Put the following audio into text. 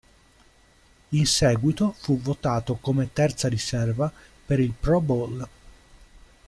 In seguito fu votato come terza riserva per il Pro Bowl.